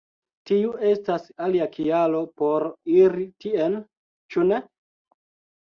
Tiu estas alia kialo por iri tien, ĉu ne?